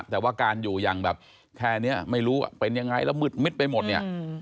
แต่ว่าการอยู่อย่างแบบแค่นี้ไม่รู้เป็นยังไงแล้วมืดมิดไปหมดเนี่ย